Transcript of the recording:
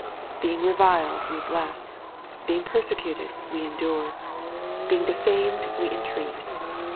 " Being reviled, we bless ; being persecuted, we endure ; being defamed, we entreat.